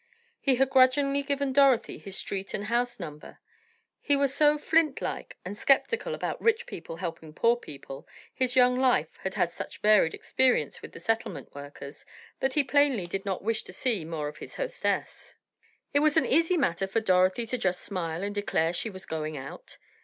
He had grudgingly given Dorothy his street and house number. He was so flint like, and skeptical about rich people helping poor people, his young life had had such varied experience with the settlement workers, that he plainly did not wish to see more of his hostess. It was an easy matter for Dorothy to just smile and declare she was "going out."